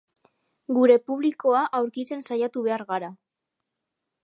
Gure publikoa aurkitzen saiatu behar gara.